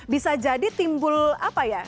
bisa jadi timbul apa ya